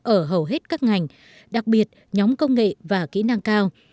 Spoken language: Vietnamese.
ở hầu hết các ngành đặc biệt nhóm công nghệ và kỹ năng cao